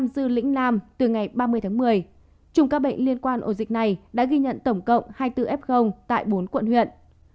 ổ dịch ở nam dư lĩnh nam từ ngày ba mươi tháng một mươi chùm ca bệnh liên quan ổ dịch này đã ghi nhận tổng cộng hai mươi bốn f tại bốn quận huyện